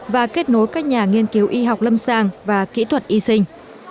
và kết nối các nhà nghiên cứu y học lâm sàng và kỹ thuật y sinh